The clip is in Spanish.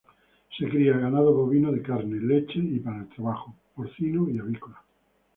Se cría ganado bovino de carne, leche y para el trabajo, porcino y avícola.